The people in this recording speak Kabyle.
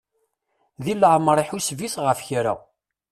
Deg leɛmer iḥuseb-it ɣef kra.